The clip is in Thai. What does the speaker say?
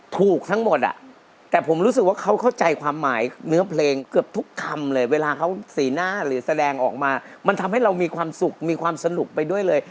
มันทำให้เรามีความสุขมีความสนุกไปด้วยเลย